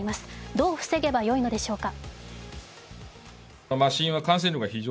どう防げばいいのでしょうか。